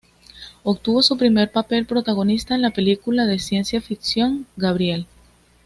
Obtuvo su primer papel protagonista en la película de ciencia ficción "Gabriel".